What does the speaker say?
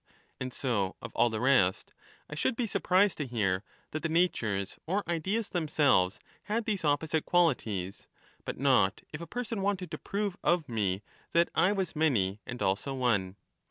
And so of all the rest: I should be surprised to hear that the natures or ideas themselves had these opposite qualities; but not if a person wanted to prove of me that I was many and also one.